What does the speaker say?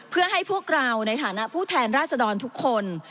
เพื่อให้พวกเราในฐานะผู้แทนราษดรทุกคน